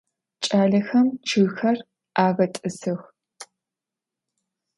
Ç'alexem ççıgxer ağet'ısıx.